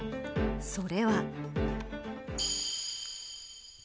それは。